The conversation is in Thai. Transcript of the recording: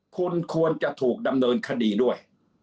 คุณควรจะถูกดำเนินคดีด้วย